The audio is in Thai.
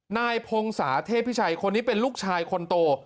นายพงศาเทพิชัยคนนี้เป็นลูกชายคนโต